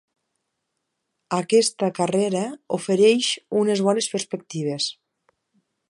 Aquesta carrera ofereix unes bones perspectives.